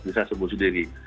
bisa sembuh sendiri